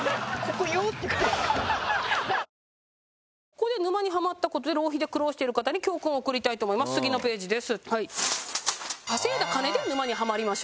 ここで沼にハマった事で浪費で苦労している方に教訓を送りたいと思います。